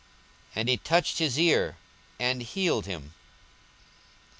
And he touched his ear, and healed him.